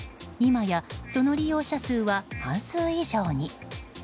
今やその利用者数は半数以上に。